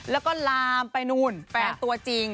แล้วก็ลามไปนู่นแฟนตัวจริง